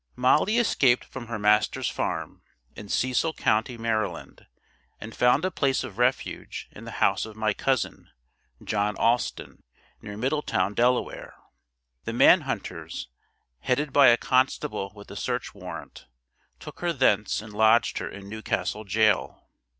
Molly escaped from her master's farm, in Cecil county, Maryland, and found a place of refuge in the house of my cousin, John Alston, near Middletown, Delaware. The man hunters, headed by a constable with a search warrant, took her thence and lodged her in New Castle Jail.